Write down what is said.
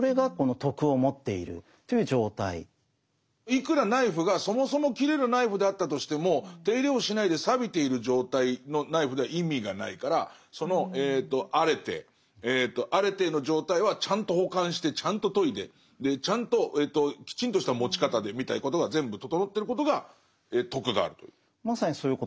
いくらナイフがそもそも切れるナイフであったとしても手入れをしないでさびている状態のナイフでは意味がないからそのアレテーアレテーの状態はちゃんと保管してちゃんと研いでちゃんときちんとした持ち方でみたいなことが全部整ってることが「徳がある」という。